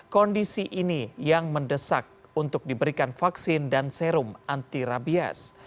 kondisi ini yang mendesak untuk diberikan vaksin dan serum anti rabies